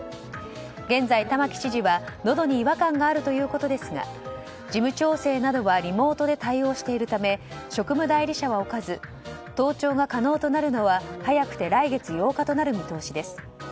現在、玉城知事はのどに違和感があるということですが事務調整などはリモートで対応しているため職務代理者は置かず登庁が可能となるのは早くて来月８日となる見通しです